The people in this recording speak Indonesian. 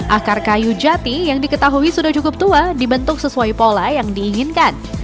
akar kayu jati yang diketahui sudah cukup tua dibentuk sesuai pola yang diinginkan